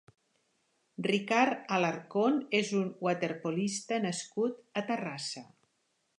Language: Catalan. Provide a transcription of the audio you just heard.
Ricard Alarcón és un waterpolista nascut a Terrassa.